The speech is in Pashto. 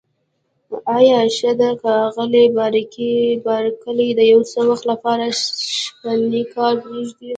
آیا ښه ده که آغلې بارکلي د یو څه وخت لپاره شپنی کار پرېږدي؟